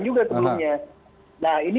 juga sebelumnya nah ini